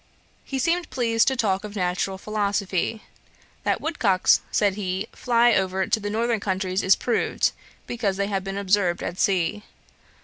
He seemed pleased to talk of natural philosophy. 'That woodcocks, (said he,) fly over to the northern countries is proved, because they have been observed at sea.